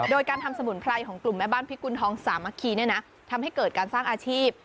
โดยการทำสมุนไพรของกลุ่มแม่บ้านพิกุณฑองสามัคคีเนี่ยนะทำให้เกิดการสร้างอาชีพ